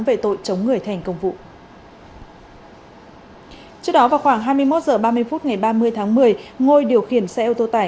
về tội chống người thành công vụ trước đó vào khoảng hai mươi một h ba mươi phút ngày ba mươi tháng một mươi ngôi điều khiển xe ô tô tải